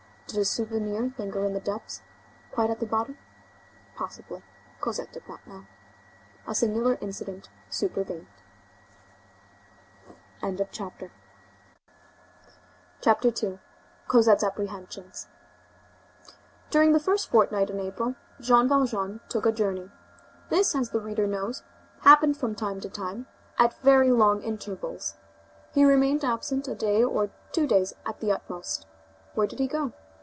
Did a souvenir linger in the depths?—Quite at the bottom?—Possibly. Cosette did not know. A singular incident supervened. CHAPTER II—COSETTE'S APPREHENSIONS During the first fortnight in April, Jean Valjean took a journey. This, as the reader knows, happened from time to time, at very long intervals. He remained absent a day or two days at the utmost. Where did he go?